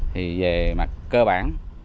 thì về mặt cơ bản